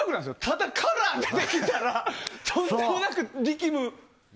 ただ、カラーが出てきたらとんでもなく力む。